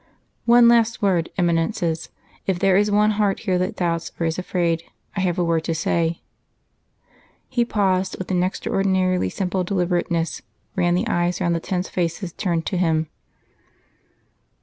"One last word, Eminences.... If there is one heart here that doubts or is afraid, I have a word to say." He paused, with an extraordinarily simple deliberateness, ran the eyes round the tense faces turned to Him.